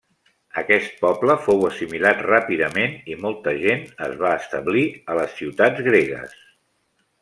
Aquest poble fou assimilat ràpidament i molta gent es va establir a les ciutats gregues.